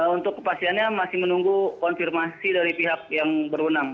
untuk kepastiannya masih menunggu konfirmasi dari pihak yang berwenang